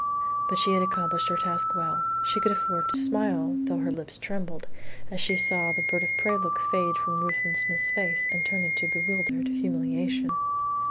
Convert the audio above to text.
But she had accomplished her task well. She could afford to smile, though her lips trembled, as she saw the bird of prey look fade from Ruthven Smith's face and turn into bewildered humiliation.